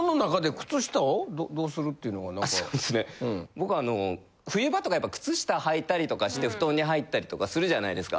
僕はあの冬場とか靴下はいたりとかして布団に入ったりとかするじゃないですか。